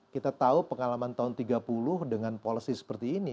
kita tahu pengalaman tahun tiga puluh dengan policy seperti ini